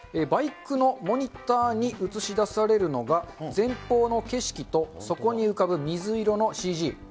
バイクのモニターに映し出されるのが、前方の景色とそこに浮かぶ水色のＣＧ。